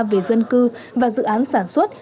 về dân cư và dự án sản xuất